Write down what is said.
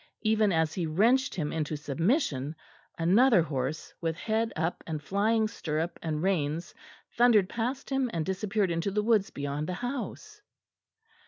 Even as he wrenched him into submission another horse with head up and flying stirrup and reins thundered past him and disappeared into the woods beyond the house.